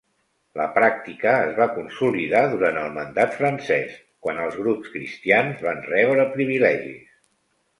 La pràctica es va consolidar durant el mandat francès, quan els grups cristians van rebre privilegis.